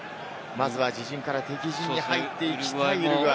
まずは自陣から敵陣に入っていきたいウルグアイ。